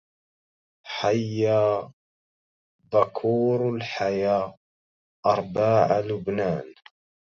حيا بكور الحيا أرباع لبنان